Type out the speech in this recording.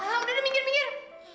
ah udah minggir minggir